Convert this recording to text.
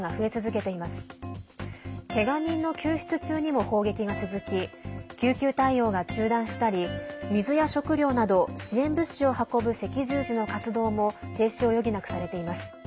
けが人の救出中にも砲撃が続き救急対応が中断したり水や食料など支援物資を運ぶ赤十字の活動も停止を余儀なくされています。